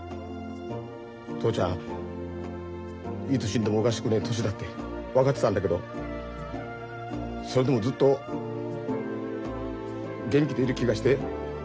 父ちゃんいつ死んでもおかしくねえ年だって分かってたんだけどそれでもずっと元気でいる気がして。